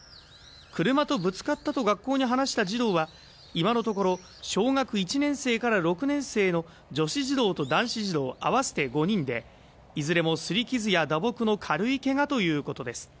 車とぶつかったと学校に話した児童は今のところ小学１年生から６年生の女子児童と男子児童合わせて５人でいずれも擦り傷や打撲の軽いけがということです